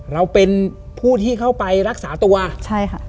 เราเป็นผู้ที่เข้าไปรักษาตัวใช่ค่ะ